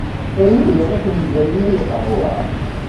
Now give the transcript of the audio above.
Rwiɣ afenǧal-nni n lqahwa.